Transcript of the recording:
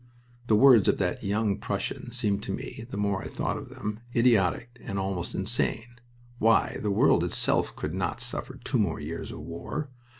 The words of that young Prussian seemed to me, the more I thought of them, idiotic and almost insane. Why, the world itself could not suffer two more years of war.